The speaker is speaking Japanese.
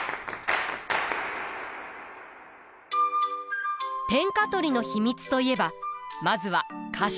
天下取りの秘密といえばまずは家臣団。